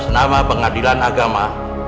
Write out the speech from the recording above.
setelah senama pengadilan agama